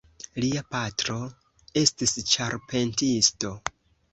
Lia patro estis ĉarpentisto.